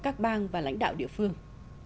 các bang và lãnh đạo địa phương